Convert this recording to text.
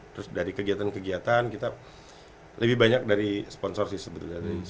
terus dari kegiatan kegiatan kita lebih banyak dari sponsor sih sebenarnya